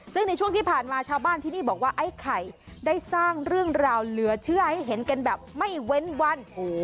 ซึ่งในช่วงที่ผ่านมาชาวบ้านที่นี่บอกว่าไอ้ไข่ได้สร้างเรื่องราวเหลือเชื่อให้เห็นกันแบบไม่เว้นวัน